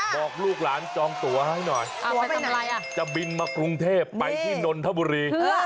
บอกลูกหลานจองตัวให้หน่อยจะบินมากรุงเทพไปที่นนทบุรี